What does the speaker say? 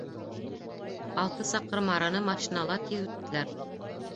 Алты саҡрым араны машинала тиҙ үттеләр.